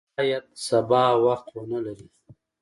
شاید سبا وخت ونه لرې !